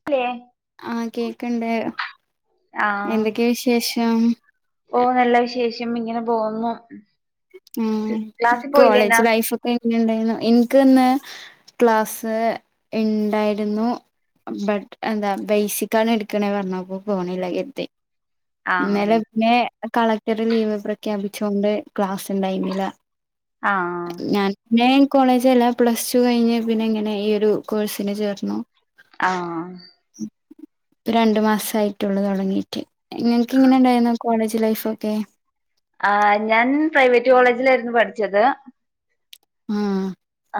[unintelligible] ആഹ് കേക്ക്ണ്ട് എന്തൊക്കെയാ വിശേഷം? ഓഹ് നല്ല വിശേഷം ഇങ്ങനെ പോകുന്നു ഉം കോളേജ് ലൈഫ് ഒക്കെ എങ്ങനെണ്ടെന്നു ഇൻക്ക് ഇന്ന് ക്ലാസ്സ്ല് ഇണ്ടായിരുന്നു ബട്ട് എന്താ ബേസിക് ആണ് എടുക്ക്ണെ പറഞ്ഞപ്പോ പോണില്ല കരുതി ഇന്നലെ ആഹ് പിന്നെ കളക്ടർ ലീവ് പ്രഖ്യാപിച്ചൊണ്ട് ക്ലാസ്സ്‌ ഇണ്ടായിന്നില്ല ആഹ് ഞാൻ [unintelligible] ഏഹ് കോളേജ് അല്ല പ്ലസ് ടു കഴിഞ്ഞു പിന്നെ ഇങ്ങനെ ഈ ഒരു കോഴ്സിന് ചേർന്നു ആഹ് പ്പ രണ്ടു മാസം ആയിട്ടുള്ളൂ തുടങ്ങീട്ട് ഇങ്ങക്ക് ഇങ്ങനെ ഇണ്ടായിരുന്നു കോളേജ് ലൈഫ് ഒക്കെ ആഹ് ഞാൻ പ്രൈവറ്റ് കോളേജിലായിരുന്നു പഠിച്ചത് ആഹ്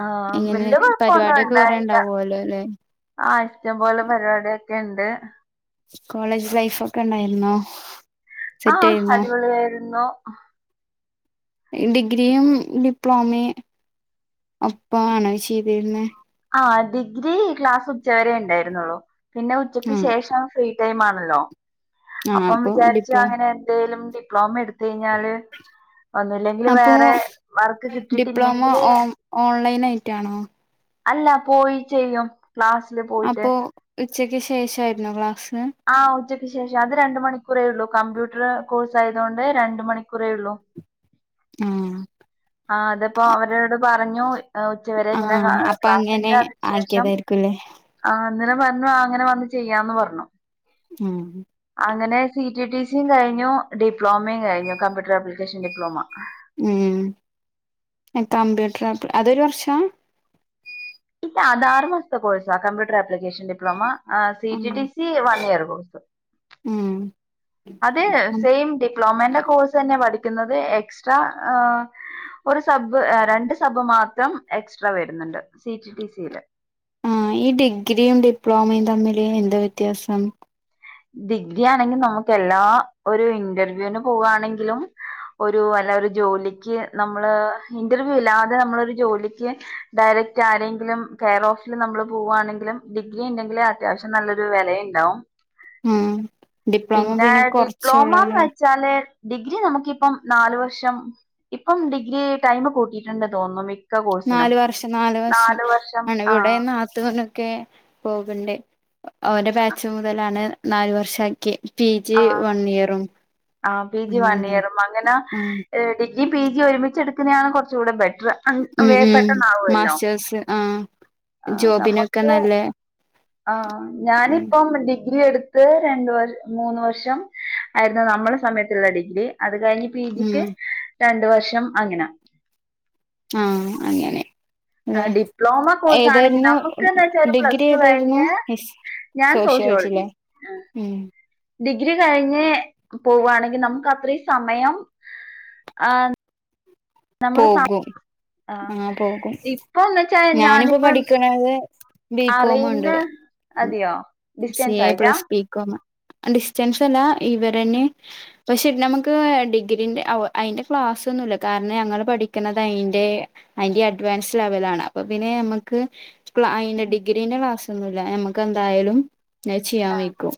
ആഹ് എങ്ങനെ വല്യ കൊഴപ്പൊന്നും പരിപാടിയൊക്കെ കൊറെ ഉണ്ടായി ഉണ്ടാവല്ലോ ല്ലെ ആഹ് ഇഷ്ടം പോലെ പരിപാടിയൊക്കെ ഇണ്ട് കോളേജ് ലൈഫ് ഒക്കെ ഉണ്ടായിരുന്നോ സെറ്റ് ആഹ് ആയിരുന്നോ അടിപൊളിയായിരുന്നു ഡിഗ്രിയും ഡിപ്ലോമയും ഒപ്പ ആണോ ചെയ്തിരുന്നെ ആഹ് ഡിഗ്രി ക്ലാസ് ഉച്ചവരെ ഉണ്ടായിരുന്നുള്ളു പിന്നെ ഉച്ചക്ക് ആ ശേഷം ഫ്രീ ടൈം ആണല്ലോ ആ അപ്പം അപ്പൊ വിചാരിച്ചു ഡിപ്ലോ അങ്ങനെ എന്തേലും ഡിപ്ലോമ എടുത്ത് കഴിഞ്ഞാല് ഒന്നുല്ലെങ്കില് അപ്പൊ വേറെ വർക്ക് ഡിപ്ലോമ കിട്ടിയിട്ടില്ലെങ്കില് ഓ ഓൺലൈൻ ആയിട്ടാണോ അല്ല പോയി ചെയ്യും ക്ലാസ്സില് പോ അപ്പോ ഉച്ചക്ക് ശേഷമായിരുന്നോ ക്ലാസ് ആഹ് ഉച്ചക്ക് ശേഷം അത് രണ്ട് മണിക്കൂറേള്ളൂ കമ്പ്യൂട്ടർ കോഴ്സ് ആയതുകൊണ്ട് രണ്ട് മണിക്കൂറേ ഒള്ളൂ ആഹ് ആഹ് അതിപ്പോ അവരോട് പറഞ്ഞു ഉച്ച വരെ ആ ഇങ്ങനെ അപ്പൊ ക്ലാസ് ഉണ്ട് അങ്ങനെ അതിനു ശേഷം ആക്കിയതായിരിക്കുംല്ലേ ആഹ് അന്നേരം പറഞ്ഞു അങ്ങനെ വന്ന് ചെയ്യാന്ന് പറഞ്ഞു ഉം അങ്ങനെ ടി ടി സിയും കഴിഞ്ഞു ഡിപ്ലോമയും കഴിഞ്ഞു കമ്പ്യൂട്ടർ ആപ്ലിക്കേഷൻ ഡിപ്ലോമ ഉം കമ്പ്യൂട്ടർ ആപ്പ് അതൊരു വർഷാ ഇല്ല ആറ് മാസത്തെ കോഴ്സാ ആഹ് കമ്പ്യൂട്ടർ അപ്ലിക്കേഷൻ ഡിപ്ലോമ ആഹ് ടി ആ T C one year course course ഉം അത് സെയിം ഡിപ്ലോമന്റെ കോഴ്സ് തന്നെ പഠിക്കുന്നത് എക്സ്ട്രാ ഒരു സബ് രണ്ട് സബ് മാത്രം എക്സ്ട്രാ വരുന്നുണ്ട് സി റ്റ് ടി ടി സി യില് ആഹ് ഈ ഡിഗ്രിയും ഡിപ്ലോമയും തമ്മില് എന്താ വ്യത്യാസം ഡിഗ്രി ആണെങ്കിൽ നമുക്ക് എല്ലാ ഒരു ഇന്റർവ്യൂവിന് പോവാണെങ്കിലും ഒരു അല്ല ഒരു ജോലിക്ക് നമ്മള് ഇന്റർവ്യൂ ഇല്ലാതെ നമ്മളൊരു ജോലിക്ക് ഡയറക്റ്റ് ആരെങ്കിലും കെയർ ഓഫിൽ നമ്മൾ പോവാണെങ്കിലും ഡിഗ്രി ഉണ്ടെങ്കിൽ അത്യാവശ്യം നല്ലൊരു വിലയുണ്ടാവും ആ ഡിപ്ലോമ പിന്നെ ഡിപ്ലോമന്ന് കൊറച്ചൊള്ളല്ലോ വെ ച്ചാൽ ഡിഗ്രി നമുക്കിപ്പം നാലു വർഷം ഇപ്പം ഡിഗ്രി ടൈം കൂട്ടിയിട്ടുണ്ട് തോന്നും നാല് വർഷം നാല് വർഷം ആണ് ഇവിടെയും നാത്തൂന് ഒക്കെ പോക്ണ്ട് അവരെ ബാച്ച് മുതലാണ് നാലു വർഷാക്കിയെ ആഹ് ആഹ് പി ജി വൺ അങ്ങനെ ഇയറും അങ്ങനെ ഉം ഡി ഡിഗ്രിയും പി ജി യും ഒരുമിച്ചെടുക്കുന്നായാണ് കുറച്ച് കൂടെ ബെറ്റർ വേ പെട്ടെന്നവുമല്ലോ യസ് ആഹ് ആഹ് ജോബിനൊക്കെ നമുക്ക് നല്ല ആഹ് ഞാനിപ്പം ഡിഗ്രി എടു ത്ത് രണ്ട് വർ മൂന്ന് വർഷം ആയിരുന്നു നമ്മളെ സമയത്തുള്ള ഡിഗ്രി അത് കഴിഞ്ഞ് പി ഉം ജിക്ക് രണ്ടു വർഷം അങ്ങന ആഹ് അങ്ങനെ അല്ലെ ഡിപ്ലോമ കോഴ്സ് ആണെങ്കിൽ ഏതായിരുന്നു നമുക്ക് എന്താ വെച്ചാ ഒരു ഡിഗ്രി പ്ലസ് ടു ഏതായിരുന്നു കഴിഞ്ഞ്. ഹിസ് ഞാൻ സോഷ്യോളജി. സോഷ്യോളജില്ലേ ഉം ഡിഗ്രി കഴിഞ്ഞ് പോവാണെങ്കിൽ നമുക്ക് അത്രയും സമയം ങ് പോകും ആഹ് പോകും ഇപ്പൊന്ന് വെച്ചാ ഞാനിപ്പോ ഞാനിപ്പം പഠിക്ക്ണത്. ബികോം അറിയുന്ന ണ്ട് അതെയോ സി ഡിസ്റ്റൻസ് എ ആയിട്ടാ പ്ലസ് ബി കോമ് ഡിസ്റ്റൻസ് അല്ല ഇവരെന്നെ പക്ഷെ നമ്മക്ക് ഡിഗ്രീന്റെ അയിന്റെ ക്ലാസ് ഒന്നും ഇല്ല കാരണം ഞങ്ങള് പഠിക്ക്ണത് അയിന്റെ അയിന്റെ അഡ്വാൻസ് ലെവലണ് ആണ് അപ്പോ പിന്നെ ന ക്ക് അയിന്റെ ഡിഗ്രീന്റെ ക്ലാസ് ഒന്നു ജല്ല നമക്ക് എന്തായാലും. ചെയ്യാൻ ആഹ് വെയ്ക്കും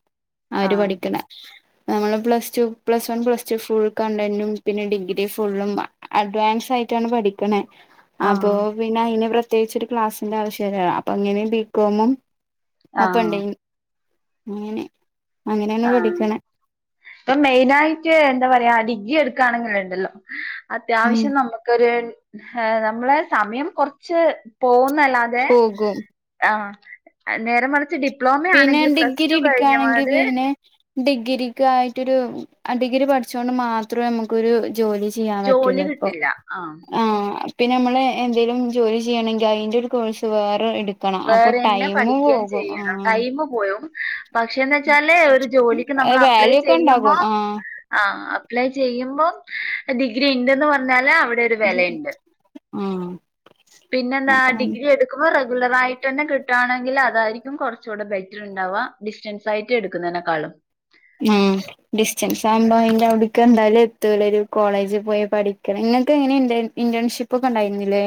ആര് ആഹ് പഠിക്ക്ണ നമ്മള് plus two plus one plus two full കണ്ടന്റും പിന്നെ ഡിഗ്രി ഫുള്ളും അഡ്വാൻസ് ആയിട്ടാണ് പഠിക്ക്ണേ അപ്പോ ആഹ് പിന്നെ അയിന് പ്രത്യക്കിച്ച് ഒരു ക്ലാസ്സിന്റെ ആവശ്യം ഇല്ല അപ്പൊ അങ്ങനെ ബികോമും. [unintelligible] ആഹ് അങ്ങനെ. അങ്ങനെയാണ് ആഹ് പഠിക്കണ ഇപ്പൊ മെയിനായിട്ട് എന്താ പറയാ ഡിഗ്രി എടുക്കണെങ്കില്ണ്ടല്ലോ. ഉം അത്യാവശ്യം നമ്മക്ക് ഒരു നമ്മളെ സമയം കുറച്ച് പോകുന്നല്ലാ തെ പോകും ആഹ് നേരെ മറിച്ച് ഡി പിന്നെ ഡിഗ്രി ഇട്ക്കണെങ്കി പിന്നെ ഡിഗ്രക്ക് ആയിട്ടൊരു ഡിഗ്രി പഠിച്ചോണ്ട് മാത്രം നമുക്കൊരു ജോലി ചെയ്യാൻ പറ്റുല്ല ജോലി ഇപ്പൊ കിട്ടില്ല ആ ആഹ്. പിന്നെ നമ്മള് എന്തേലും ജോലി ചെയ്യുണെങ്കി അയിന്റെ ഒരു കോഴ്സ് വേറെ എട് വേറെന്നെ പഠിക്കയും ചെയ്യണം ടൈം പോലും പക്ഷേന്ന് വെച്ചാല് ഒരു ജോലിക്ക് നമ്മൾ അപ്ലൈ വാല്യൂ ഒക്കെ ചെയ്യുമ്പോ ഉണ്ടാകും ആഹ് ആഹ് അപ്ലൈ ചെയ്യുമ്പം ഡിഗ്രി ഉണ്ടെന്ന് പറഞ്ഞാല് അവിടെ ര് വെലയ്ണ്ട് ആഹ് പിന്നെന്താ അതാണ് ഡിഗ്രി എടുക്കുമ്പോ റഗുലർ ആയിട്ടന്നെ കിട്ടുകവാണെങ്കിൽ അതായിരിക്കും കുറച്ചുകൂടെ ബെറ്റർ ഉണ്ടാവുക ഡിസ്റ്റൻസ് ആയിട്ട് എടുക്കുന്നതിനെക്കാളും. ഉം. ഡിസ്റ്റൻസ് ആവുമ്പോ അയിന്റെ അവിട്ക്ക് എന്തായാലും എത്തൂലരു കോളേജിൽ പോയി പഠിക്ക്ണ ഇങ്ങക്ക് എങ്ങനെ ഇണ്ട് ഇന്റേൺഷിപ്പ് ഒക്കെ ഇണ്ടായിരുന്നില്ലേ.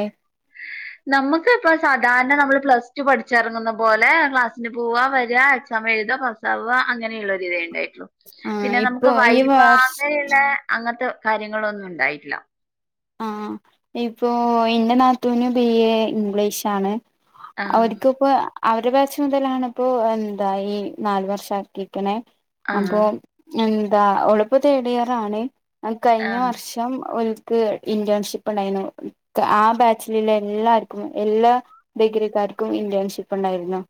നമുക്ക് ഇപ്പോ സാധാരണ നമ്മള് പ്ലസ് ടു പഠിച്ചിറങ്ങുന്ന പോലെ ക്ലാസ്സിന് പോവാ വെര എക്സാം എഴുത ഫ [unintelligible] അങ്ങനളരിതേ ഉണ്ടായിട്ടുള്ളു ആഹ് പിന്നെ നമുക്ക് ഇപ്പൊ ഈ വൈവാ വർഷ അങ്ങനെ പിന്നെ അങ്ങൻത്തെ കാര്യങ്ങളൊന്നും ഉണ്ടായില്ല. ആഹ് ഇപ്പോ എന്റെ നാത്തൂന് ബി എ ഇംഗ്ലീഷാണ്. ആഹ് അവര്ക്ക്പ്പോ അ അവരെ ബാച്ച് മുതലാണിപ്പോ എന്താ ഈ നാല് വർഷം ആക്കിക്ക്ണേ ആഹ് അപ്പൊ. എന്താ ഒള് ഇപ്പോ തേർഡ് ഇയർ ആണ് തേടിയാറാണ് കഴിഞ്ഞ ആഹ് വർഷം ഒൽക്ക് ഇന്റേൺഷിപ്പ് ഇണ്ടായിര്ന്നു ആഹ് ബാച്ചില് ഇള്ള എല്ലാർക്കും എല്ലാ ഡിഗ്രിക്കാർക്കും ഇന്റേൺഷിപ്പ് ഇണ്ടായിരുന്നു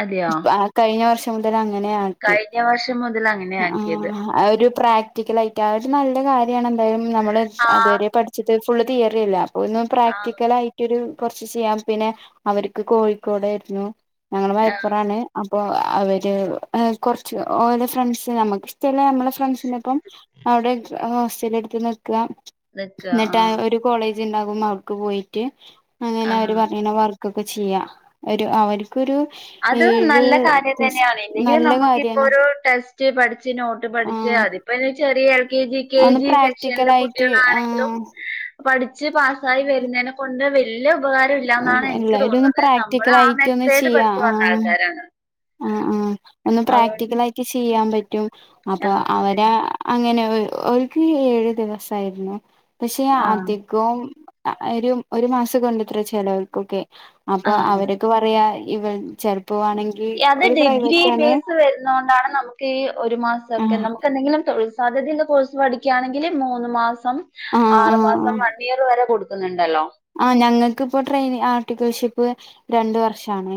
അതെയോ ആഹ് കഴിഞ്ഞ വർഷം മുതൽ അങ്ങനെയ കഴിഞ്ഞ വർഷം മുതല് അങ്ങനെ ആക്കിയത്. അത് ഒരു പ്രാക്ടിക്കലായിട്ടാ അത് ഒരു നല്ല കാര്യമാണ് എന്തായാലും നമ്മള് ആഹ് അതുവരെ പഠിച്ചത് ഫുള്ള് തിയറി അല്ലെ അപ്പൊ ഒന്ന് ആഹ് പ്രാക്ടിക്കല് ആയി ഒരു കുറച്ച് ചെയ്യാൻ പിന്നെ അവർക്ക് കോഴിക്കോടായിരുന്നു ഞങ്ങള് ആഹ് മലപ്പുറാണ് അപ്പൊ അവര് കുറച്ച് ഓരോ ഫ്രണ്ട്സ് നമുക്ക് ഇഷ്ടമുള്ള നമ്മടെ ഫ്രണ്ട്സിന്റെ ഒപ്പം അവിടെ ഹോസ്റ്റല് എടുത്ത് നിക്കാം നിക്ക എന്നിട്ട് ആഹ് ഒരു കോളേജ് ഉണ്ടാകും അവടേക്ക് പോയിട്ട് അങ്ങനെ ആഹ് അവര് പറയണ വർ ക്കൊക്കെ ചെയ്യാം ഒരു അവർക്കൊരു അത് ഏഴ് നല്ല കാര്യം തന്നെയാണ് ഇല്ലെങ്കിൽ നല്ല നമുക്കിപ്പോ കാര്യാണ് ഒരു ടെസ്റ്റ് പഠിച്ച് നോട്ട് പഠിച്ച് ആഹ് അതിപ്പൊ അയിന് ചെറിയ കെ ജി കെ ഒന്ന് ജി പ്രാക്ടിക്കൽ സെക്ഷനിലെ ആയിട്ട് ആ കുട്ടികളാണെങ്കിലും പഠിച്ച് പാസ്സായി വരുന്നെനെ കൊണ്ട് വെ ല്ല്യ ഉപകാരം ഇല്ലാന്നാണ് എനിക്ക് എല്ലാരും ഒന്ന് തോന്നുന്നത് നമ്മള് പ്രാക്ടിക്കൽ ആ ആയിട്ട് മെത്തേഡ് പഠിച്ചു വന്ന ആൾക്കാരാണ് ആഹ് ആഹ് അന്നും അതുകൊണ്ട് പ്രാക്ടിക്കലായിട്ട് ചെയ്യാൻ പറ്റും ആ അപ്പൊ അവരാ അങ്ങനെ ഒര് ഓൾക്ക് ഏഴ് ദിവസായിരുന്നു പക്ഷെ ആ അതി ക്കും അ ഒരു ഒരു മാസം കൊണ്ട് ഇത്ര ചെലവ് അവർക്കൊക്കെ അപ്പൊ ആ അവരൊ ക്കെ പറയാ ഇവൻ ചെറുപ്പവാണെങ്കിൽ യത് ഡിഗ്രി ബേസ് വരുന്നോണ്ടാണ് നമുക്ക് ഈ ഒരു ആ മാസവൊക്കെ നമുക്ക് എന്തെങ്കിലും തൊഴി സാധ്യതയുള്ള കോഴ്സ് പഠിക്കാണെങ്കിൽ മൂന്ന് മാസം ആ ആ ആറ് മാസം വൺ ഇയർ വരെ കൊടു ക്കുന്നുണ്ടല്ലോ ആഹ് ഞങ്ങക്കിപ്പോ ട്രെയിനി ആർട്ടിക്കൽഷിപ്പ് രണ്ട് വർഷാണെ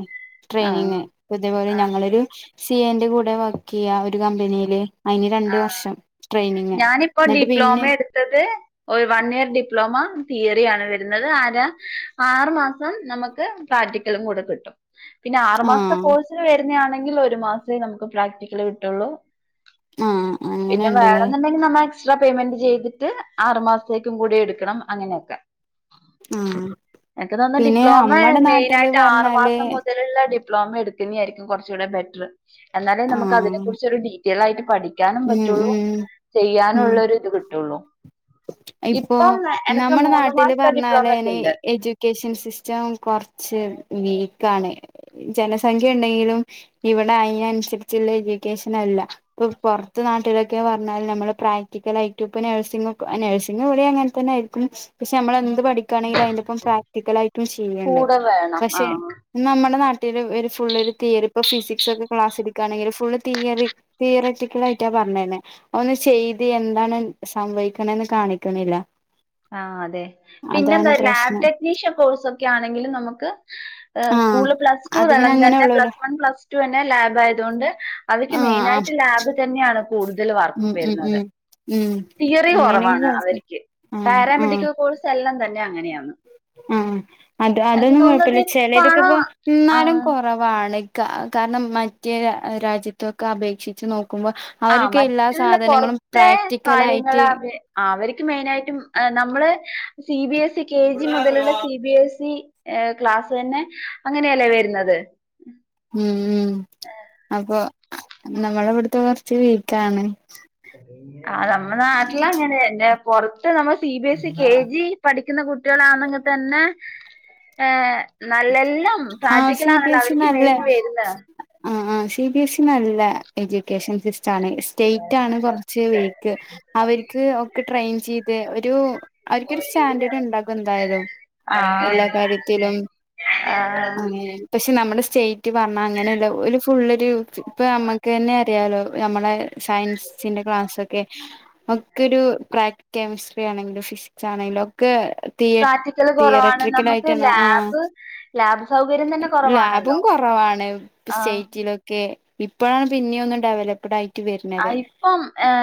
ആ ട്രെയിനിങ് ഇപ്പൊ ഇതേപോലെ ഞങ്ങളൊരു സി ഏന്റെ കൂടെ വർക്ക് ചെയ്യാ ഒരു കമ്പനീല് അയിന് രണ്ട് വർഷം ട്രെയിനിങ് ഞാനിപ്പോ എന്നിട്ട് ഡിപ്ലോമ പിന്നെ [unintelligible] ഒരു വൺ ഇയർ ഡിപ്ലോമ തിയറി ആണ് വരുന്നത് അര ആറു മാസം നമുക്ക് പ്രാക്ടിക്കലും കൂടെ കിട്ടും പിന്നെ ആറ് ആ മാസത്തെ കോഴ്സിന് വരുന്നെ ആണെങ്കിൽ ഒരു മാസവേ നമുക്ക് പ്രാക്ടിക്കല് കിട്ടൂള്ളൂ ആഹ് പിന്നെ വേണോന്നുണ്ടെങ്കി നന്നാ എക്സ്ട്രാ പേയ്മെന്റ് ചെയ്തിട്ട് ആറ് മാസത്തേക്കും കൂടി എടുക്കണം അങ്ങനെയൊക്കെ ആ എനിക്ക് തോന്നുന്നേ പിന്നെ ഡിപ്ലോമ നമ്മടെ നാട്ടില് മെയിനായിട്ട് ആറ് പറഞ്ഞാല് മാസം മുതലുള്ള ഡി പ്ലോമ എടുക്കുന്നെ ആരിക്കും കൊറച്ചൂടെ ബെറ്റർ എന്നാലേ ആ നമ്മക്ക് അതിനെ കുറിച്ച് ഒരു ഡീറ്റെയിലായിട്ട് പഠി ക്കാനും ഉം പറ്റൂള്ളൂ ഉം ചെയ്യാനുള്ളൊരു ഇത് കിട്ടൂള്ളൂ ഇപ്പൊ നമ്മുടെ മൂന്ന് നാട്ടില് മാസത്തെ പറഞ്ഞ പോലെ ഡിപ്ലോമക്ക് തന്നെ ഉണ്ട് എജു ക്കേഷൻ സിസ്റ്റം കൊറച്ച് വീക്കാണേ ജനസംഖ്യ ഉണ്ടെങ്കിലും ഇവിടെ അതിന് അനുസരിച്ചൊള്ള എജുക്കേഷൻ അല്ല ഇപ്പൊ പുറത്ത് നാട്ടിലൊക്കെ പറഞ്ഞാൽ നമ്മള് പ്രാക്ടിക്കലായിട്ടും ഇപ്പ നഴ്സിംഗും നഴ്സിംഗ് ഇവടെയും അങ്ങനെ തന്നെ ആയിരിക്കും പക്ഷെ നമ്മള് എന്ത് പഠിക്കാണെങ്കിലും അയിന്റൊപ്പം പ്രാക്ടിക്കലായിട്ടും ചെയ്യണ്ട് കൂടെ വേണം ആ പക്ഷെ നമ്മുടെ നാട്ടില് ഒരു ഫുൾ ഒരു തിയറി ഇപ്പോ ഫിസിക്സ് ഒക്കെ ക്ലാസെടുക്കാണെങ്കില് ഫുളള് തിയറി തിയററ്റിക്കൽ ആയിട്ടാ പറഞ്ഞ് തരണെ ഒന്ന് ചെയ്ത് എന്താണ് സംഭവി ക്കണേന്ന് കാണിക്കണില്ല ആഹ് അതെ അതാണ് പിന്നെന്താ ലാബ് പ്രശ്നം ടെക്നീഷ്യൻ കോഴ്സൊക്കെ ആണെങ്കിലും നമുക്ക് ആഹ് സ്കൂള് പ്ലസ് ടു അത് [unintelligible] പിന്നെ അങ്ങനെ തന്നെ ഉള്ളൂല്ലോ പ്ലസ് വൺ പ്ലസ് ടു തന്നെ ലാബ് ആയതോണ്ട് അതൊക്കെ ആഹ് ആഹ് മെയിനായിട്ട് ലാബ് തന്നെയാണ് കൂടുതല് വർക്കും ഉം ഉം വരുന്നത് ഉം ഉം തിയറി അങ്ങനെയൊക്കെ കുറവാണ് കൊഴപ്പ അവർക്ക് ആഹ് ആഹ് പാരാമെഡിക്കൽ കോഴ്സ് എല്ലാം തന്നെ അങ്ങനെയാണ് ആഹ് അത് എനിക്ക് അതൊന്നും തോന്നുന്നത് കൊഴപ്പല്ല ഇപ്പാണ് ചെലേതൊക്കെപ്പോ ഇന്നാലും കൊറ് റവാണ് കാ കാരണം മറ്റേ രാ രാജ്യത്തൊക്കെ അപേക്ഷിച്ച് നോക്കുമ്പോ ആഹ് അവരൊക്കെ എല്ലാ മറ്റുള്ള സാധനങ്ങളും പൊറത്തെ പ്രാക്ടിക്കലായിട്ട് കാര്യങ്ങളപേ ആഹ് അവര്ക്ക് മെയിനായിട്ടും നമ്മള് C B S E K G മുതലുള്ള സി ബി എസ് ഇ ഏ ക്ലാസ്സ് തന്നെ അങ്ങനെയല്ലേ വരുന്നത് ഉം ഉം അപ്പൊ നമ്മള് വിടുത്തെ കുറച്ച് വീക്കാണ് ആഹ് നമ്മുടെ നാട്ടിലങ്ങനെ ന്നെ പൊറത്ത് നമ്മള് C B S E K G പഠിക്കുന്ന കുട്ടികളാണെങ്കി തന്നെ ഏഹ് നല്ലെല്ലാം ആഹ് സി ബി പ്രാക്ടിക്കലാണല്ലോ എസ് ഇ അവർക്ക് നല്ല മെയിൻ വരുന്ന ആഹ് ആഹ് സി ബി എസ് ഇ നല്ല എജ്യൂക്കേഷൻ സിസ് റ്റാണേ സ്റ്റേറ്റ് ആണ് കുറച്ച് വീക്ക് അവര്ക്ക് ഒക്കെ ട്രെയിൻ ചയ്ത് ഒരു അവര് ക്കൊരു സ്റ്റാൻഡേർഡ്ണ്ടാകും എന്തായാലും എല്ലാ ആഹ് കാര്യത്തിലും അങ്ങനെ ആഹ് പക്ഷെ നമ്മുടെ സ്റ്റേറ്റ് പറഞ്ഞാ അങ്ങനെയല്ല ഒരു ഫുള്ളൊരു ഇപ്പ അമ്മക്ക് ന്നെ അറിയാലോ നമ്മളെ സയൻസിന്റെ ക്ലാസ്സൊക്കെ ഒക്കെ ഒരു പ്രാക് കെമിസ്ട്രി ആണെങ്കിലും ഫിസിക്സ് ആണെങ്കിലും ഒക്കെ തിയ പ്രാക്ടിക്കല് കുറവാണ് തിയറക്ട്രിക്കൽ നമുക്ക് ആയിട്ടാണ് ആഹ് ലാബ് ലാബ് സൗകര്യം തന്നെ ലാബും കുറവാണല്ലോ കുറവാണ് ഇ ആഹ് സൈറ്റിയിലൊ ക്കെ ഇപ്പോഴാണ് പിന്നെയൊന്ന് ഡെവലപ്ഡ് ആയി ആ ഇപ്പം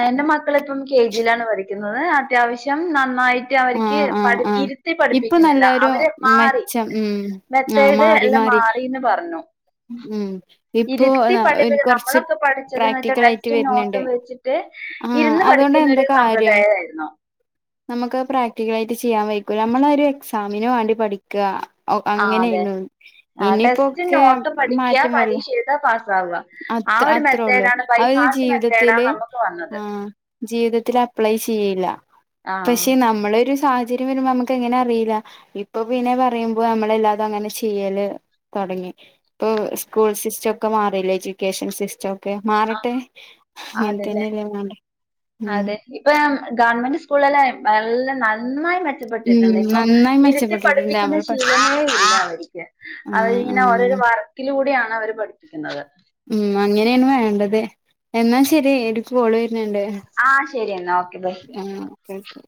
എന്റെ മക്കളിപ്പം കെ ജിയിലാണ് പഠിക്കുന്നത് അത്യാവശ്യം നന്നായി അവർക്ക് ആഹ് ആഹ് പഠി ആഹ് ഇരുത്തി ഇപ്പൊ പഠിപ്പിക്കുന്നില്ല നല്ലൊരു അവരെ മാറി മെച്ചം ഉം ആഹ് മെത്തേഡ് മാറി എല്ലാം മാറി മാറിന്ന് പറഞ്ഞു ഉം ഇപ്പോ ഇരുത്തി ഇനി പഠിപ്പിക്ക കൊറച്ച് നമ്മളൊക്കെ പഠിച്ചത് എന്ന് വെച്ചാൽ പ്രാക്ടിക്കൽ ആയിട്ട് ടെസ്റ്റ് വരുന്നുണ്ട് നോട്ടും വെച്ചിട്ട് ആഹ് ഇരുന്ന് അതുകൊണ്ട് പഠിക്കുന്ന എന്ത്‌ ഒരു കാര്യം സമ്പ്രദായമായിരുന്നു നമുക്ക് പ്രാക്ടിക്കലായിട്ട് ചെയ്യാൻ വയ്ക്കും നമ്മളൊരു എക്സാമിന് വാണ്ടി പഠി ക്ക ആ അങ്ങനെയനം ആ ടെസ്റ്റ് ഇനിയിപ്പോക്കെ നോട്ട് പഠിക്ക മാറ്റം വരല്ല പരീക്ഷ എഴുതാ പാസ്സാവുക ആ അത്ര ഒരു അത്രേ ഉള്ളൂ മെത്തേഡാണ് ബൈ അവര് ഹാർട്ട് മെത്തേഡാ ജീവിതത്തില് നമുക്ക് വന്നത് ആഹ് ജീവിതത്തിൽ അപ്ലൈ ചെയ്യില്ല ആഹ് പക്ഷെ നമ്മളൊരു സാഹ ത്തില് വരുമ്പോ നമുക്ക്‌ എങ്ങനെ അറിയില്ല ഇപ്പൊ പിന്നെ പറയുമ്പോ നമ്മള എല്ലാതും അങ്ങനെ ചെയ്യല് തൊടങ്ങി ഇപ്പൊ സ്കൂൾ സിസ്റ്റം ഒക്കെ മാറീല്ലെ എജ്യൂക്കേഷൻ സിസ്റ്റം ക്കെ മാറട്ടെ അങ്ങനത്തന്നെയല്ലേ വേണ്ടേ ഉം ഇനിപ്പം ഗവൺമെന്റ് സ്കൂളല്ലാം നല്ല നന്നായി മ ഉം പ്പെട്ടിട്ടുണ്ട് ഇപ്പം നന്നായി ഇരുത്തി മെച്ചപ്പെട്ടിട്ടുണ്ട് പഠിപ്പിക്കുന്ന നമ്മൾ പഠിച്ച ശീലങ്ങളേ ഇല്ല അവർക്ക് അവര് ആഹ് ഇങ്ങനെ ഓരോരു ആഹ് വർക്കിലൂടെയാണ് അവര് പഠിപ്പിക്കുന്നത് ഉം അങ്ങനെയാണ് വേണ്ടത് എന്നാ ശരി എടക്ക് കോള് വരുന്നണ്ട് ആഹ് ശരി എന്നാ ഓക്കെ ബൈ ആഹ് ഓക്കെ ഓക്കേ